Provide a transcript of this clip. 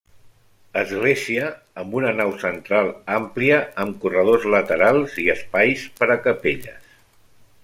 Església amb una nau central àmplia, amb corredors laterals i espais per a capelles.